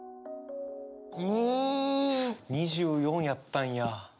２４やったんや。